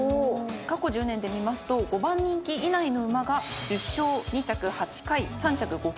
過去１０年で見ますと５番人気以内の馬が１０勝２着８回３着５回きています。